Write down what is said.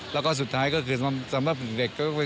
และสุดท้ายก็คือสำหรับถึงเด็ก